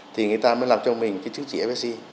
thì người ta mới làm cho mình cái chứng chỉ fsc